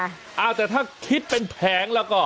ตะแต่ถ้าคิดเป็นแผงล่ะก็